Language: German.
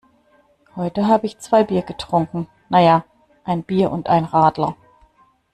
Heute habe ich zwei Bier getrunken. Na ja, ein Bier und ein Radler.